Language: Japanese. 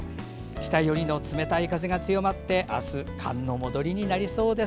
北寄りの冷たい風が強まって明日、寒の戻りとなりそうです。